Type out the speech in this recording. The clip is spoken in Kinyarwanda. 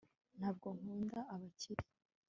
ntabwo nkunda abakire